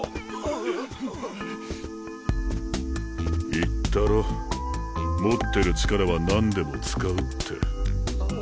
言ったろ持ってる力は何でも使うって。